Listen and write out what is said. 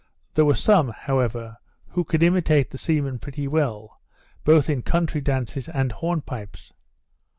There were some, however, who could imitate the seamen pretty well, both in country dances and hornpipes.